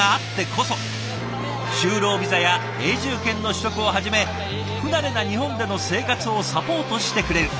就労ビザや永住権の取得をはじめ不慣れな日本での生活をサポートしてくれる。